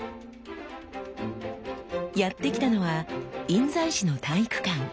やって来たのは印西市の体育館。